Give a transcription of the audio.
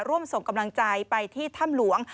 ร่วมส่งกำลังใจไปที่ถ้ำหลวง